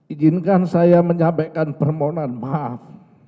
izinkan saya menyampaikan permohonan maaf